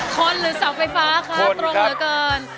หรือเสาไฟฟ้าคะตรงเหลือเกิน